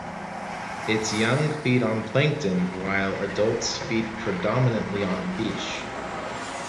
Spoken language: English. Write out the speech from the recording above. Its young feed on plankton while adults feed predominantly on fish.